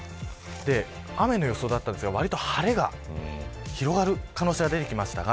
雨の予想だったんですが割と晴れが広がる可能性が出てきました。